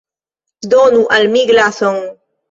Donu al mi glason.